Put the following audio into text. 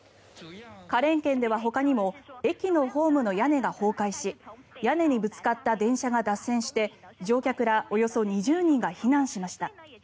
花蓮県ではほかにも駅のホームの屋根が崩壊し屋根にぶつかった電車が脱線して乗客らおよそ２０人が避難しました。